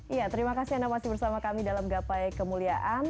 iya terima kasih anda masih bersama kami dalam gapai kemuliaan